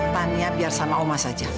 tanya biar sama oma saja